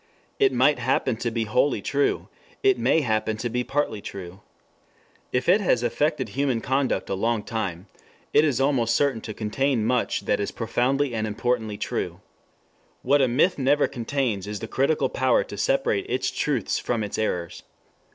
It might happen to be wholly true. It may happen to be partly true. If it has affected human conduct a long time, it is almost certain to contain much that is profoundly and importantly true. What a myth never contains is the critical power to separate its truths from its errors.